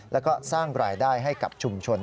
แล้วก็สร้างรายได้ให้กับชุมชน